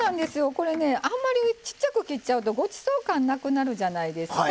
これ、あんまりちっちゃく切っちゃうとごちそう感なくなるじゃないですか。